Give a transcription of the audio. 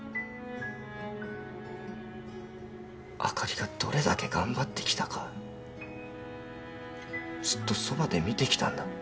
あかりがどれだけ頑張ってきたかずっとそばで見てきたんだ。